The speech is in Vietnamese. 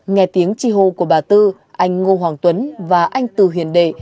nghe tiếng chi hô của bà từ anh ngô hoàng tuấn và anh từ hiền đệ